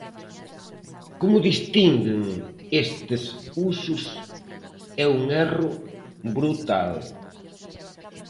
¿Como distinguen estes usos? É un erro brutal.